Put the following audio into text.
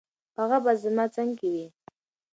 هغه به زما څنګ کې وي.